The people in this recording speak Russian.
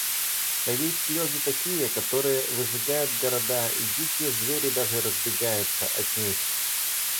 А есть слёзы такие, которые «выжигают города, и дикие звери даже разбегаются» от них.